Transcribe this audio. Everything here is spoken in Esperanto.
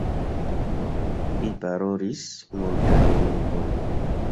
Li parolis multajn lingvojn.